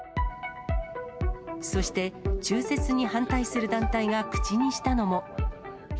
そして中絶に反対する団体が口にしたのも。